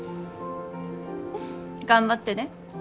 頑張ってね。